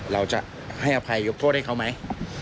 เราจะให้อภัยยกโทษให้เขาไหม